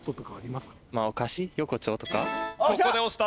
ここで押した。